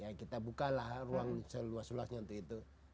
ya kita bukalah ruang seluas luasnya untuk itu